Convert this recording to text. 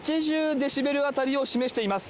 デシベルあたりを示しています。